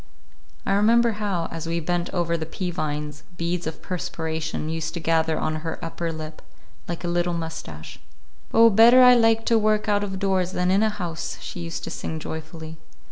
I remember how, as we bent over the pea vines, beads of perspiration used to gather on her upper lip like a little mustache. "Oh, better I like to work out of doors than in a house!" she used to sing joyfully.